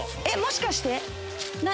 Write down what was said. えっもしかして？